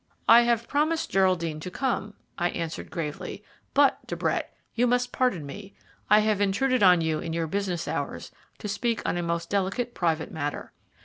"I have promised Geraldine to come," I answered gravely: "but, De Brett, you must pardon me. I have intruded on you in your business hours to speak on a most delicate private matter.